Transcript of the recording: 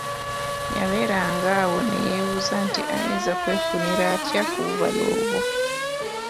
Yabeeranga awo ne yeebuuza nti ayinza kwefunira atya ku bubala obwo?